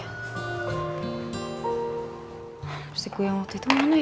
lipstick gue yang waktu itu mana ya